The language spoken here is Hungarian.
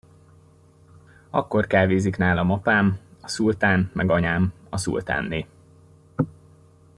Akkor kávézik nálam apám, a szultán meg anyám, a szultánné.